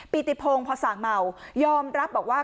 ปีติพงศ์พอสั่งเมายอมรับบอกว่า